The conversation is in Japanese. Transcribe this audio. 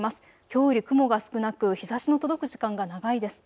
きょうより雲が少なく日ざしの届く時間が長いです。